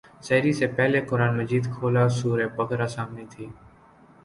سحری سے پہلے قرآن مجید کھولا سورہ بقرہ سامنے تھی۔